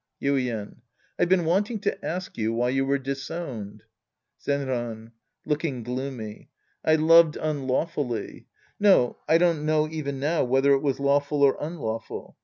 Yuien. I've been wanting to ask you why you were disowned ? Zenran {looking gloomy). I loved unlawfully. No, I don't know even now whether it was lawful or un lawful.